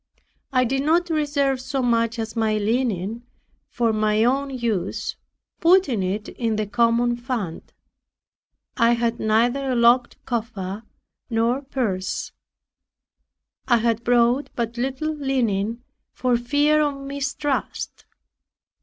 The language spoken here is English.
I did not reserve so much as my linen for my own use, putting it in the common fund. I had neither a locked coffer, nor purse. I had brought but little linen for fear of mistrust.